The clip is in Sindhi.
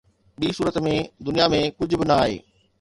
ٻي صورت ۾، دنيا ۾ ڪجهه به نه آهي